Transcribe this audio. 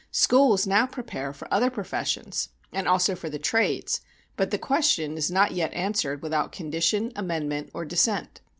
Schools now prepare for other professions and also for the trades; but the question is not yet answered without condition, amendment or dissent.